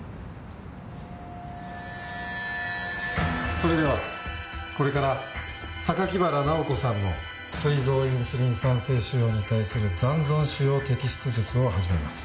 それではこれから榊原直子さんの膵臓インスリン産生腫瘍に対する残存腫瘍摘出手術を始めます。